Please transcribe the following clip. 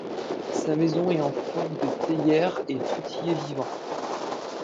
Sa maison est en forme de théière et tout y est vivant.